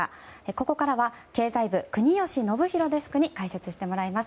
ここからは経済部国吉伸洋デスクに解説してもらいます。